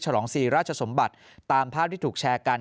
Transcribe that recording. ฉลองศรีราชสมบัติตามภาพที่ถูกแชร์กัน